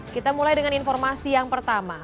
kita mulai dengan informasi yang pertama